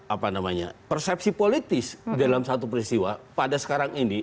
apa namanya persepsi politis dalam satu peristiwa pada sekarang ini